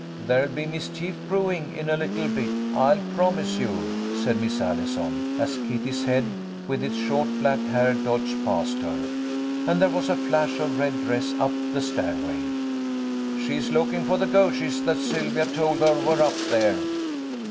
152 THE LITTLE COLONEL'S HOLIDAYS. "There'll be mischief brewing in a little bit, I'll promise you," said Miss Allison, as Kitty's head with its short black hair dodged past her, and there was a flash of a red dress up the stairway. " She is look ing for the 'ghos'es' that Sylvia told her were up there."